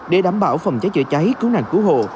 để đảm bảo phòng trái chữa trái cứu nạn cứu hộ